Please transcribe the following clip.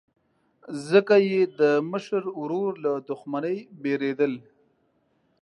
ځکه یې د مشر ورور له دښمنۍ بېرېدل.